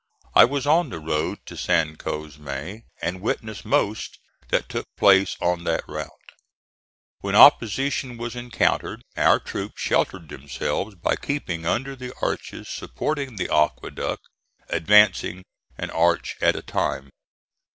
I was on the road to San Cosme, and witnessed most that took place on that route. When opposition was encountered our troops sheltered themselves by keeping under the arches supporting the aqueduct, advancing an arch at a time.